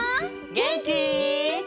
げんき？